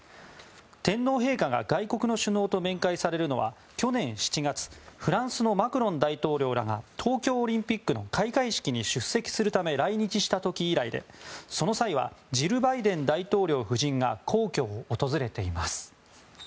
天皇陛下が外国の首脳と面会されるのは去年７月フランスのマクロン大統領らが東京オリンピックの開会式に出席するため来日した時以来で、その際はジル・バイデン大統領夫人が皇居を訪れています。